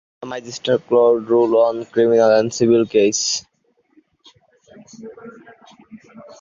The magistrate's court ruled on criminal and civil cases.